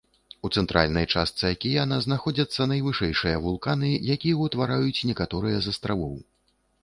У цэнтральнай частцы акіяна знаходзяцца найвышэйшыя вулканы, якія ўтвараюць некаторыя з астравоў.